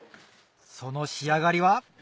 その仕上がりは？